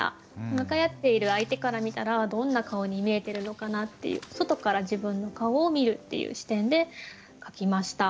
向かい合っている相手から見たらどんな顔に見えてるのかなっていう外から自分の顔を見るっていう視点で書きました。